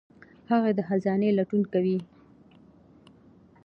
هغه د خزانې لټون کوي.